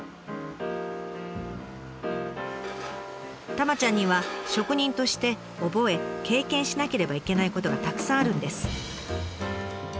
たまちゃんには職人として覚え経験しなければいけないことがたくさんあるんです。